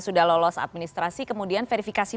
sudah lolos administrasi kemudian verifikasi